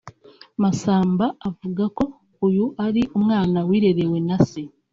Masamba avuga ko uyu ari umwana wirerewe na Se